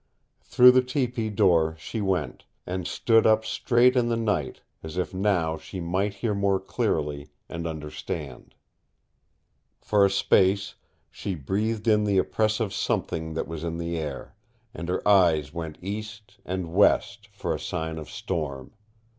Through the tepee door she went, and stood up straight in the night, as if now she might hear more clearly, and understand. For a space she breathed in the oppressive something that was in the air, and her eyes went east and west for sign of storm.